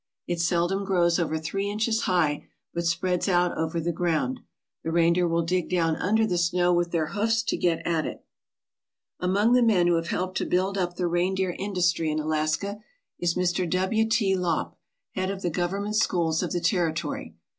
It seldom grows over three inches high, but spreads out over the ground. The reindeer will dig down under the snow with their hoofs to get at it. Among the men who have helped to build up the rein deer industry in Alaska is Mr. W. T. Lopp, head of the government schools of the territory.